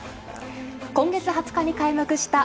今月２０日に開幕したＦＩＦＡ